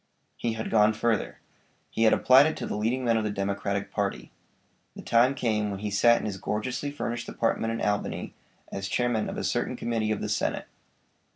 He had gone further. He had applied it to the leading men of the Democratic party. The time came when he sat in his gorgeously furnished apartment in Albany, as Chairman of a certain committee of the Senate.